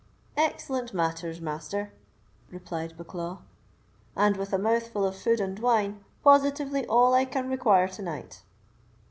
"Excellent matters, Master," replied Bucklaw, "and, with a mouthful of food and wine, positively all I can require to night."